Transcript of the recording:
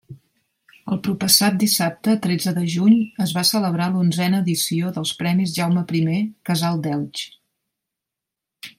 El proppassat dissabte tretze de juny es va celebrar l'onzena edició dels premis Jaume I – Casal d'Elx.